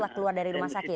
keluar dari rumah sakit